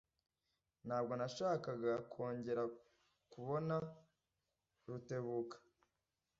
Ntabwo nashakaga kongera kubona Rutebuka.